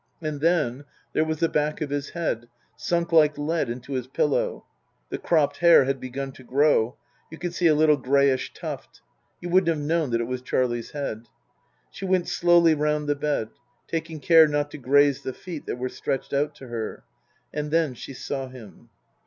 And then, there was the back of his head, sunk like lead into his pillow The cropped hair had begun to grow. You could see a little greyish tuft. You wouldn't have known that it was Charlie's head. She went slowly round the bed, taking care not to graze the feet that were stretched out to her. And then she saw him.